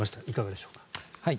いかがでしょうか。